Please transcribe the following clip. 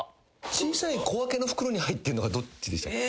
小さい小分けの袋に入ってるのはどっちでしたっけ？